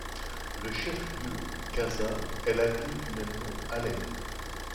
Le chef-lieu du caza, est la ville du même nom Aley.